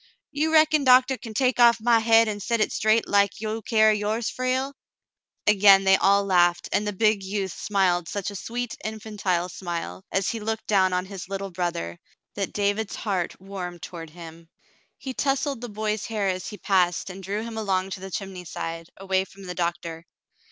"You reckon doctah kin take off my hade an' set hit straight like you carry yours, Frale ?" Again they all laughed, and the big youth smiled such a sweet, infantile smile, as he looked down on his little brother, that David's heart warmed toward him. He tousled the boy's hair as he passed and drew him along to' the chimney side, away from the doctor.